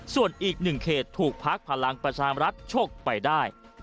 ส่วนอีกหนึ่งเขตถูกพักพลังประชามรัฐชกไปได้